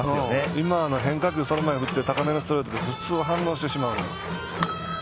今の変化球、その前の見て高めのストレートで普通、反応してしまうのに。